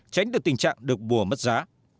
tránh được tình trạng được bùa mất giá